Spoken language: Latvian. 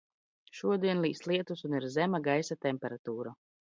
Šodien līst lietus un ir zema gaisa temperatūra.